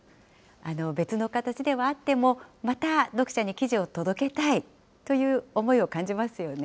別の形ではあっても、また、読者に記事を届けたいという思いを感じますよね。